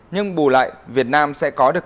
nhưng bù lại việt nam sẽ có được